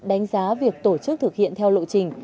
đánh giá việc tổ chức thực hiện theo lộ trình